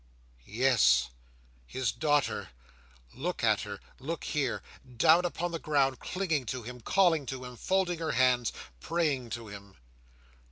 Yes. His daughter! Look at her! Look here! Down upon the ground, clinging to him, calling to him, folding her hands, praying to him.